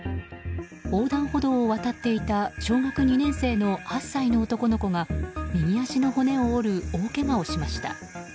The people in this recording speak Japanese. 横断歩道を渡っていた小学２年生の８歳の男の子が右足の骨を折る大けがをしました。